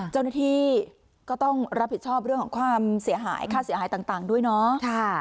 เจ้าหน้าที่ก็ต้องรับผิดชอบเรื่องของความเสียหายค่าเสียหายต่างด้วยเนาะ